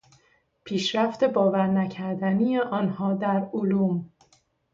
پیشرفت باور نکردنی آنها در علوم